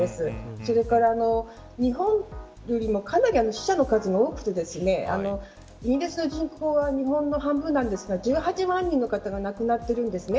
それから、日本よりもかなり、死者の数が多くてイギリスの人口は日本の半分なんですが１８万人の方が亡くなっているんです。